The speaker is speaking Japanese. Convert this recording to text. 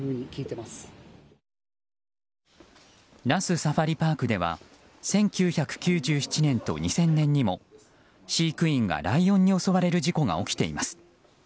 那須サファリパークでは１９９７年と２０００年にも飼育員がライオンに襲われる事故が起きています。